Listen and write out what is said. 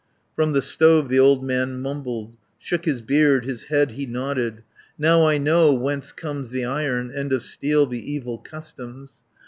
From the stove the old man mumbled, (Shook his beard, his head he nodded) "Now I know whence comes the Iron, And of steel the evil customs.